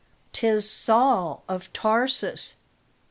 "'Tis Saul of Tarsus!